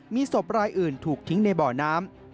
มีศพรายอื่นถูกทิ้งในบ่อน้ำ